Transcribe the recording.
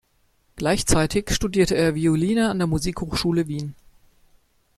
Gleichzeitig studierte er Violine an der Musikhochschule Wien.